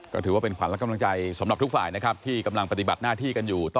ก็ถือว่าเป็นขวัญและกำลังใจสำหรับทุกฝ่ายนะครับที่กำลังปฏิบัติหน้าที่กันอยู่